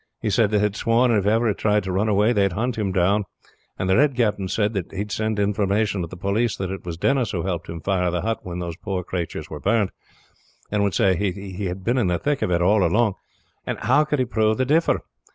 He said they had sworn if he ever tried to run away they would hunt him down; and the Red Captain said that he would send information to the poliss that it was Denis who helped him fire the hut when those poor cratures were burned, and would say, he had been in the thick of it all along; and how could he prove the differ?